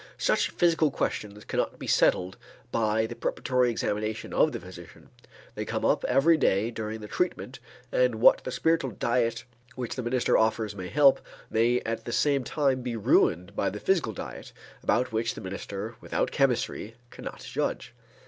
Such physical questions cannot be settled by the preparatory examination of the physician; they come up every day during the treatment and what the spiritual diet which the minister offers may help, may at the same time be ruined by the physical diet about which the minister without chemistry cannot judge.